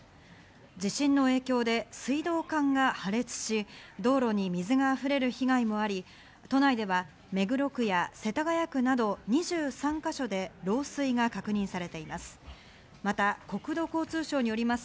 地震の影響で水道管が破裂し、道路に水が溢れる被害もあり、都内では目黒区や世田谷区など２３か所で漏水が確認されています。